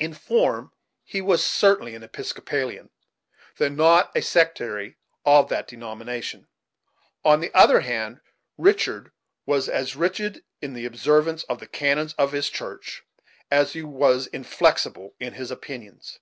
In form, he was certainly an Episcopalian, though not a sectary of that denomination. On the other hand, Richard was as rigid in the observance of the canons of his church as he was inflexible in his opinions.